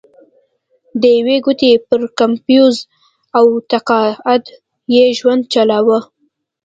د یوې ګوتې پر کمپوز او تقاعد یې ژوند چلوله.